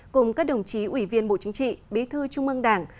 cùng các đồng chí ủy viên bộ chính trị bí thư trung ương đảng